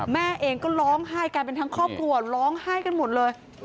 แม่เองก็ร้องไห้กันเป็นทั้งครอบครัวร้องไห้กันหมดเลย